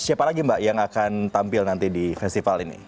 siapa lagi mbak yang akan tampil nanti di festival ini